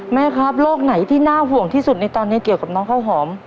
แม่ครับโรคไหนที่น่าห่วงที่สุดในตอนนี้เกี่ยวกับน้องข้าวหอม